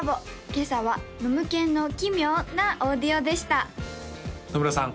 今朝は「ノムケンの奇妙？なオーディオ」でした野村さん